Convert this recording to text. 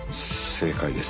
正解です。